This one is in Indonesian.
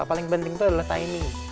paling penting itu adalah timing